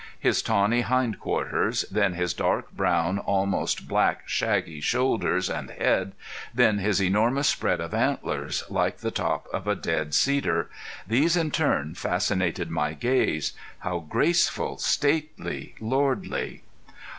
His tawny hind quarters, then his dark brown, almost black shaggy shoulders and head, then his enormous spread of antlers, like the top of a dead cedar these in turn fascinated my gaze. How graceful, stately, lordly!